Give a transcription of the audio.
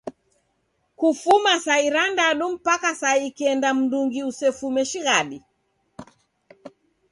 Kufuma saa irandadu mpaka saa ikenda mndungi usefume shighadi.